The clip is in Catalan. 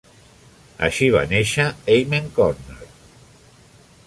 Així va néixer "Amen Corner".